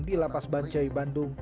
di lapas bancai bandung